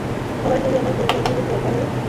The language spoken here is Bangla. সবাই যদি আমার পরিচয় ভুলে যায়, তাহলে?